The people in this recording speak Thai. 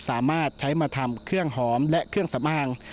สามารถใช้มาทำเครื่องหอมและเครื่องสำอาง